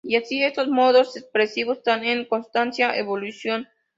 Y así estos modos expresivos están en constante evolución.